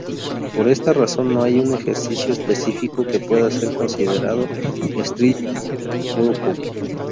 Por esta razón no hay un ejercicio específico que pueda ser considerado street workout.